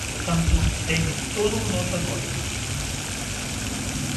Polo tanto, teñen todo o noso apoio.